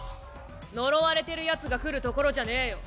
呪われてるヤツが来る所じゃねぇよ。